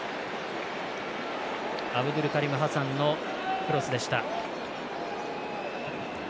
アブドゥルカリム・ハサンのクロスでした。